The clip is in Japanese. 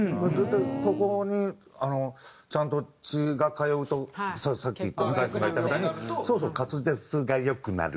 ここにちゃんと血が通うとさっき向井君が言ったみたいに滑舌が良くなる。